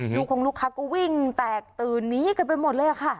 ลูกคงลูกค้าก็วิ่งแตกตื่นนี้กันไปหมดเลยค่ะ